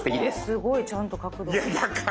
すごいちゃんと角度が。